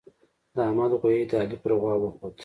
د احمد غويی د علي پر غوا وخوت.